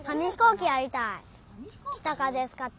きたかぜつかって。